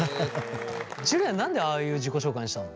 樹は何でああいう自己紹介にしたの？